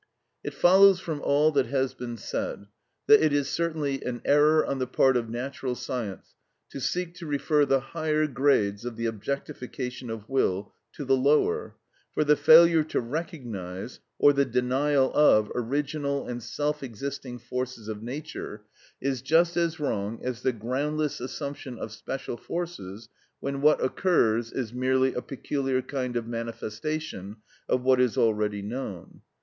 It follows from all that has been said that it is certainly an error on the part of natural science to seek to refer the higher grades of the objectification of will to the lower; for the failure to recognise, or the denial of, original and self existing forces of nature is just as wrong as the groundless assumption of special forces when what occurs is merely a peculiar kind of manifestation of what is already known.